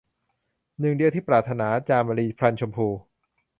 หนึ่งเดียวที่ปรารถนา - จามรี พรรณชมพู